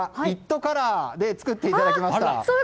カラーで作っていただきました。